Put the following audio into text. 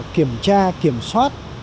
kiểm tra kiểm soát